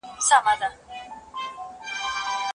ملکیت د انسانانو فطري حق دی.